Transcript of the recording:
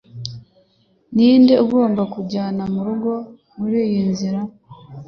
Ninde ugomba kunjyana murugo muriyi nzira